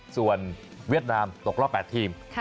ส่วนเวียดนามตกรอบ๘ทีม